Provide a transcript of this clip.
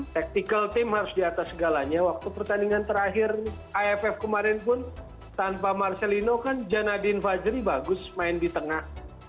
tactical team harus di atas segalanya waktu pertandingan terakhir aff kemarin pun tanpa marcelino kan janadin fajri bagus main di tengah